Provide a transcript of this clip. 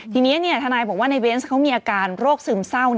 ทีนี้ทนายบอกว่าในเบนส์เขามีอาการโรคซึมเศร้า